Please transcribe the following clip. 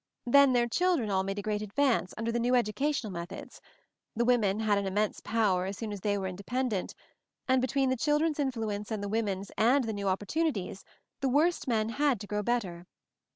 Then their children all made a great advance, under the new educational methods; the women had an immense power as soon as they were independent; and between the children's influence and the woman's and the new opportunities, the worst men had to grow better.